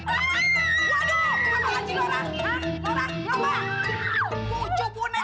aduh ancur ancur dah